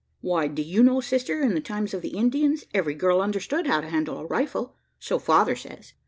Why, do you know, sister, in the times of the Indians, every girl understood how to handle a rifle so father says.